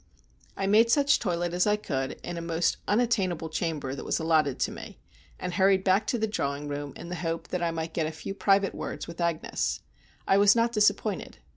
I made such toilet as I could in a most unattainable chamber that was allotted to me, and hurried back to the drawing room in the hope that I might get a few private words with Agnes. I was not disappointed.